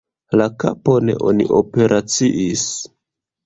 La kapon oni operaciis.